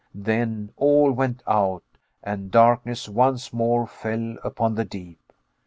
Then all went out and darkness once more fell upon the deep!